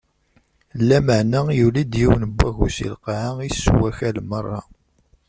Lameɛna yuli-d yiwen n wagu si lqaɛa, issew akal meṛṛa.